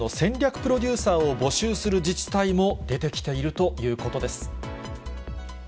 プロデューサーを募集する自治体も出てきているということです。